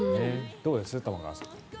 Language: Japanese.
どうです、玉川さん。